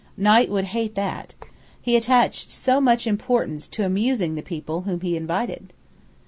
Knight would hate that. He attached so much importance to amusing the people whom he invited!